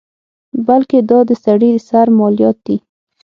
بلکې دا د سړي سر مالیات دي.